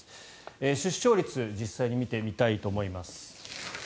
出生率実際に見てみたいと思います。